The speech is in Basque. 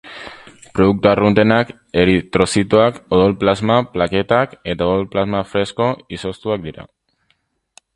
Produktu arruntenak eritrozitoak, odol-plasma, plaketak eta odol-plasma fresko izoztuak dira.